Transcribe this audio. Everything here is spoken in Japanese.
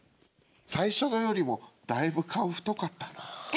最初のよりもだいぶ顔太かったな。